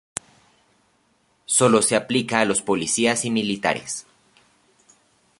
Solo se aplica a los policías y militares.